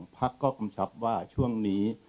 พักก็กำชับว่าช่วงนี้